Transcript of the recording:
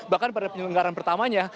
bahkan pada penyelenggaran pertamanya